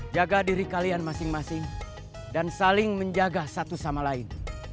jaga diri kalian masing masing dan saling menjaga satu sama lain